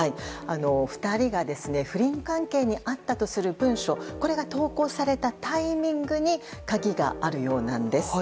２人が不倫関係にあったとする文書これが投稿されたタイミングに鍵があるようなんです。